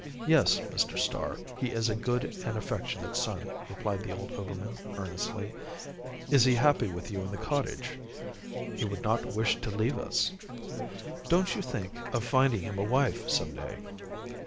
"Yes, Mr. Starr, he is a good and affectionate son," replied the old overman earnestly. "Is he happy with you in the cottage?" "He would not wish to leave us." "Don't you think of finding him a wife, some day?"